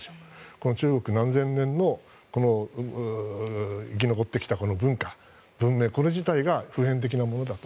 中国何千年の生き残ってきた文化、文明が普遍的なものだと。